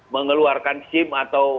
mengeluarkan sim atau